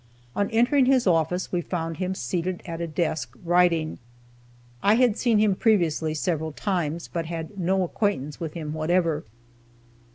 On entering his office, we found him seated at a desk, writing. I had seen him previously several times, but had no acquaintance with him whatever.